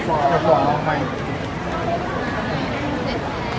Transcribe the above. ช่องความหล่อของพี่ต้องการอันนี้นะครับ